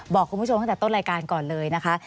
บอกคุณผู้ชมตั้งแต่ต้นรายการก่อนเลยนะคะ